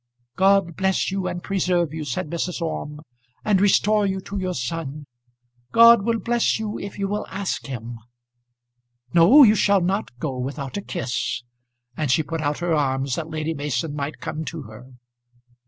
"God bless you and preserve you," said Mrs. Orme, "and restore you to your son. God will bless you if you will ask Him. No; you shall not go without a kiss." And she put out her arms that Lady Mason might come to her.